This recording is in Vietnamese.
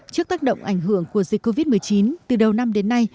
trước tác động ảnh hưởng của dịch covid một mươi chín từ đầu năm đến nay